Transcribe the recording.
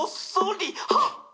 「はっ！